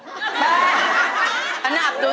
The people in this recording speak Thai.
หนับนวันนี้รึเปล่าย์